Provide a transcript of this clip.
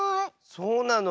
そうなの？